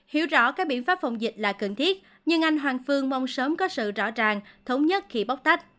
hiểu rõ các biện pháp phòng dịch là cần thiết nhưng anh hoàng phương mong sớm có sự rõ ràng thống nhất khi bóc tách